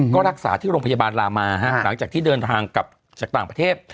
ก็รักษาที่โรงพยาบาลลามาหลังจากที่เดินทางกลับจากต่างประเทศ